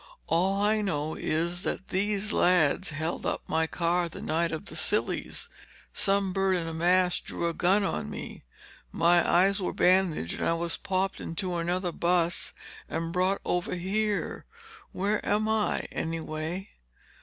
"All I know is that these lads held up my car the night of the Sillies. Some bird in a mask drew a gun on me—my eyes were bandaged and I was popped into another bus and brought over here. Where am I, anyway?"